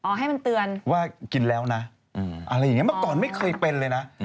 ให้มันเตือนว่ากินแล้วนะอะไรอย่างนี้เมื่อก่อนไม่เคยเป็นเลยนะ